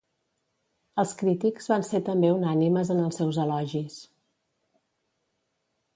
Els crítics van ser també unànimes en els seus elogis.